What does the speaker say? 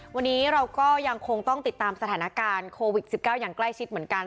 วันนี้เราก็ยังคงต้องติดตามสถานการณ์โควิด๑๙อย่างใกล้ชิดเหมือนกัน